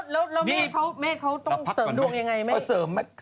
แล้วเมฆเขาต้องเสริมดวงยังไงไหม